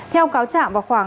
theo cáo chạm